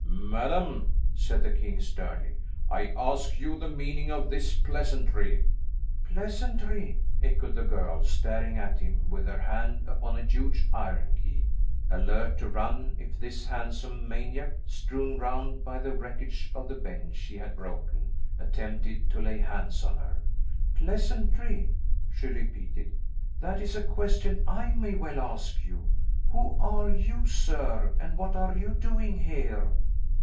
"Madam," said the king sternly, "I ask you the meaning of this pleasantry?" "Pleasantry," echoed the girl, staring at him with her hand upon a huge iron key, alert to run if this handsome maniac, strewn round by the wreckage of the bench he had broken, attempted to lay hands on her. "Pleasantry?" she repeated; "that is a question I may well ask you. Who are you, sir, and what are you doing here?"